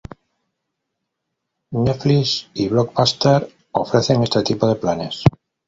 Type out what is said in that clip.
Netflix y Blockbuster ofrecen este tipo de planes.